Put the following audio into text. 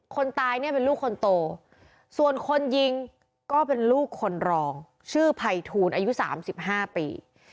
คนตายเนี่ยเป็นลูกคนโตส่วนคนยิงก็เป็นลูกคนรองชื่อภัยทูลอายุ๓๕ปี